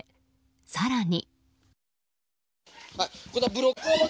更に。